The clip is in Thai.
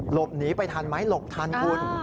หลบหนีไปทันไหมหลบทันคุณ